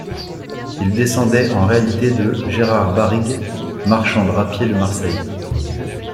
Ils descendaient en réalité de Gérard Barrigue, marchand drapier de Marseille.